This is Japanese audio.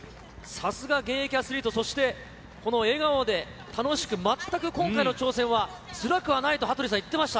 さすが現役アスリート、そして、この笑顔で楽しく、全く今回の挑戦はつらくはないと羽鳥さん、言ってました。